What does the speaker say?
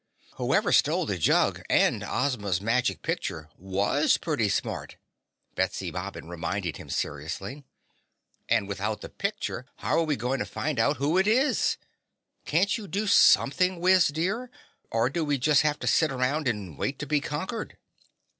"Whoever stole the jug and Ozma's magic picture WAS pretty smart," Betsy Bobbin reminded him seriously. "And without the picture how're we going to find out who it is? Can't you do something, Wiz dear, or do we just have to sit around and wait to be conquered?"